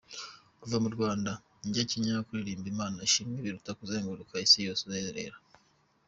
Kuva mu Rwanda njya Kenya kuririmbira Imana ishimwe biruta kuzenguruka isi yose uzerera.